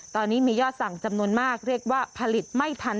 ตอนนี้มียอดสั่งจำนวนมากเรียกว่าผลิตไม่ทัน